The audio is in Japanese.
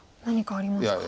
何かありますか。